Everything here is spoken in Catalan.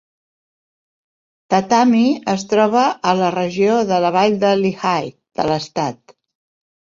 Tatamy es troba a la regió de la Vall de Lehigh, de l'estat.